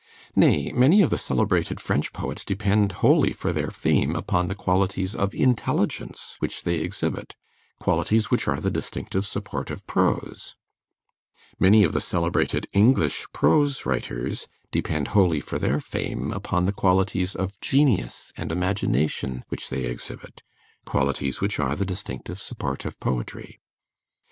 Nay, many of the celebrated French poets depend wholly for their fame upon the qualities of intelligence which they exhibit, qualities which are the distinctive support of prose; many of the celebrated English prose writers depend wholly for their fame upon the qualities of genius and imagination which they exhibit, qualities which are the distinctive support of poetry.